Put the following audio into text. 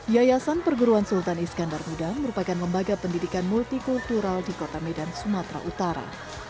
yayasan perguruan sultan iskandar muda merupakan lembaga pendidikan multikultural di kota medan sumatera utara